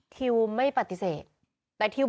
ที่ไม่ปฏิเสธ